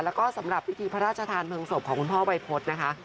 แล้วก็สำหรับพิธีพระราชทานเพลิงศพของคุณพ่อวัยพฤษนะคะ